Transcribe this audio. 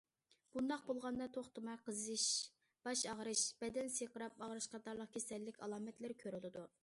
بۇنداق بولغاندا توختىماي قىزىش، باش ئاغرىش، بەدەن سىرقىراپ ئاغرىش قاتارلىق كېسەللىك ئالامەتلىرى كۆرۈلىدۇ.